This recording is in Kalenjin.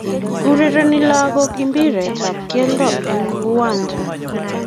Urereni lagook impiretab keldo eng unjeet.